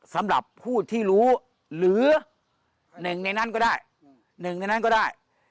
สำหรับผู้ที่รู้หรือหนึ่งในนั้นก็ได้หนึ่งในนั้นก็ได้